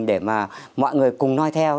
để mà mọi người cùng nói theo